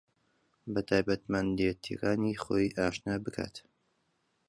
بە تایبەتمەندێتییەکانی خۆی ئاشنا بکات